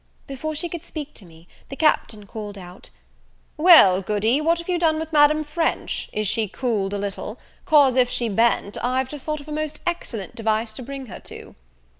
Before she could speak to me, the Captain, called out, "Well, Goody, what have you done with Madame French? is she cooled a little? cause if she ben't, I've just thought of a most excellent device to bring her to."